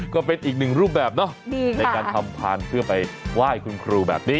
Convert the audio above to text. ก็เป็นอีกหนึ่งรูปแบบเนาะในการทำพันธุ์เพื่อไปไหว้คุณครูแบบนี้